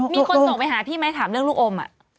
มีคนส่งไปหาพี่ไหมถามเรื่องลูกอม